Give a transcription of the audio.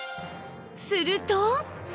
すると